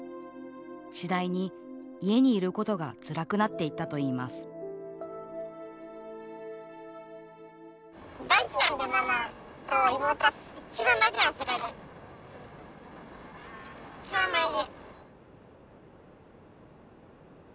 次第に家にいることがつらくなっていったといいます去年のクリスマス。